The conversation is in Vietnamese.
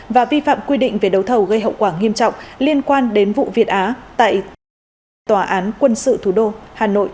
và vi phạm quy định về đấu thầu gây hậu quả nghiêm trọng liên quan đến vụ việt á tại tòa án quân sự thủ đô hà nội